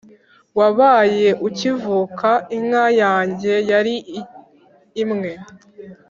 Wabaye ukivuka, Inka yanjye yari imwe